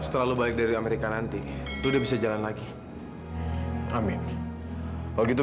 tante jangan begitu